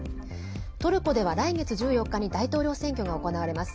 トルコでは来月１４日に大統領選挙が行われます。